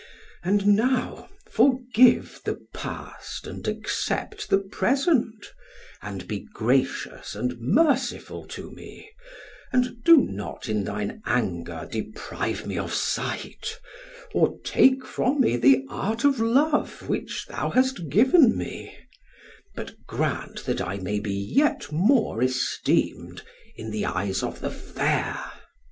And now forgive the past and accept the present, and be gracious and merciful to me, and do not in thine anger deprive me of sight, or take from me the art of love which thou hast given me, but grant that I may be yet more esteemed in the eyes of the fair.